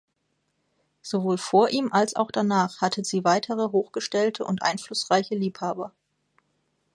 Sowohl vor ihm als auch danach hatte sie weitere hochgestellte und einflussreiche Liebhaber.